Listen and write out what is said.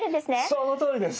そのとおりです！